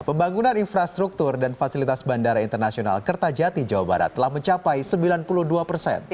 pembangunan infrastruktur dan fasilitas bandara internasional kertajati jawa barat telah mencapai sembilan puluh dua persen